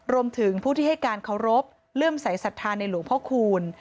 รวมถึงผู้ที่ให้การเคารพเลื่อมสายศรัทธาในหลวงพ่อคูณ